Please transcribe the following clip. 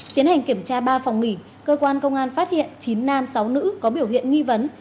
tiến hành kiểm tra ba phòng nghỉ cơ quan công an phát hiện chín nam sáu nữ có biểu hiện nghi vấn